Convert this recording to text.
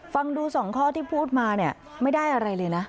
ฟังดู๒ข้อที่พูดมาเนี่ยไม่ได้อะไรเลยนะ